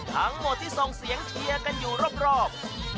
ทั้งหมดที่ส่งเสียงเชียร์กันอยู่รอบ